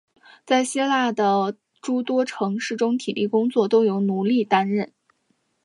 在希腊人的诸多城市中体力工作都由奴隶担任。